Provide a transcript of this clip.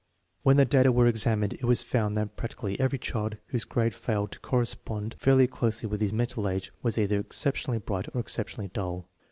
When the data were examined, it was found that prac tically every child whose grade failed to correspond fairly closely with his mental age was either exceptionally bright or exceptionally dull.